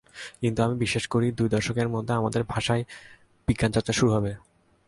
কিন্তু আমি বিশ্বাস করি দুই দশকের মধ্যে আমাদের ভাষায় বিজ্ঞানচর্চা শুরু হবে।